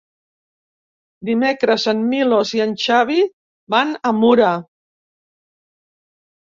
Dimecres en Milos i en Xavi van a Mura.